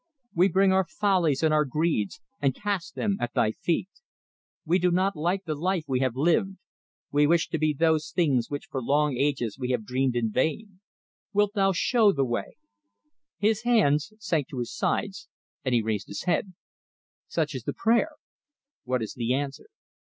We bring our follies and our greeds, and cast them at Thy feet. We do not like the life we have lived. We wish to be those things which for long ages we have dreamed in vain. Wilt Thou show the way?" His hands sank to his sides, and he raised his head. "Such is the prayer. What is the answer?